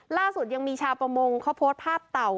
ล่าสุดยังมีชาวประมงเขาโพสต์ภาพเต่า